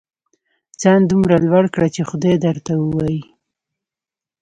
ځان دومره لوړ کړه چې خدای درته ووايي.